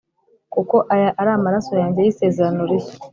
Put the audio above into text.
kuko aya ari amaraso yanjye y isezerano rishya